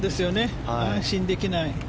安心できない。